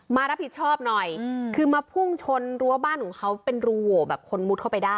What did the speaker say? มารับผิดชอบหน่อยคือมาพุ่งชนรั้วบ้านของเขาเป็นรูโหวแบบคนมุดเข้าไปได้